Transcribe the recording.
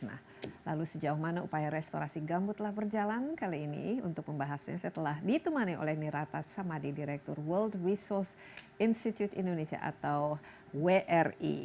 nah lalu sejauh mana upaya restorasi gambut telah berjalan kali ini untuk membahasnya saya telah ditemani oleh nirata samadi direktur world resource institute indonesia atau wri